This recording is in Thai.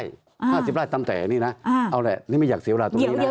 อ่าห้าสิบไร่ตั้งแต่นี่น่ะอ้าเอาแหละนี่ไม่อยากเสียเวลาตัวนี้น่ะ